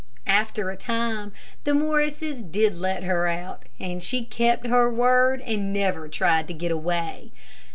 After a time the Morrises did let her out, and she kept her word and never tried to get away.